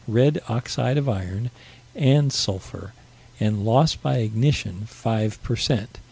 red oxide of iron, and sulphur and loss by ignition 5 per cent.